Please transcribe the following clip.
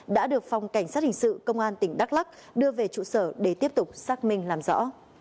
đã được phòng cảnh sát hình sự công an tỉnh đắk lắc đưa về trụ sở để tiếp tục xác minh làm rõ